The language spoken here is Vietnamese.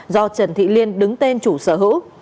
do trần thị liên đứng tên chủ sở hữu